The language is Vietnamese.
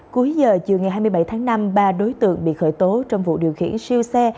cuối giờ chiều ngày hai mươi bảy tháng năm ba đối tượng bị khởi tố trong vụ điều khiển siêu xe